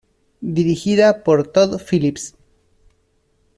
Dirigida por Todd Phillips.